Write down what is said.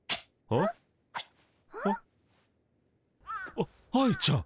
あ愛ちゃん。